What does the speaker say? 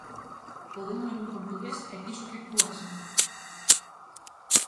O dono era un portugués e quixo que actuásemos.